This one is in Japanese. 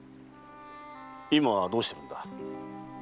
今はどうしてるんだ？